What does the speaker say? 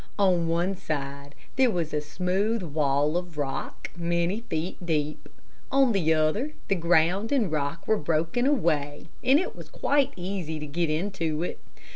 On one side there was a smooth wall of rock, many feet deep. On the other the ground and rock were broken away, and it was quite easy to get into it.